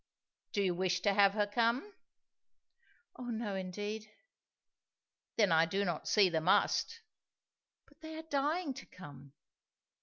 "Do you wish to have her come?" "Oh no, indeed!" "Then I do not see the 'must.'" "But they are dying to come."